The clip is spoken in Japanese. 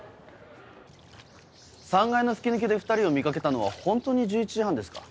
３階の吹き抜けで２人を見掛けたのは本当に１１時半ですか？